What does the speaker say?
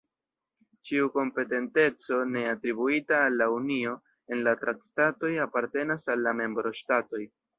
Ĉiu kompetenteco ne atribuita al la Unio en la Traktatoj apartenas al la membroŝtatoj.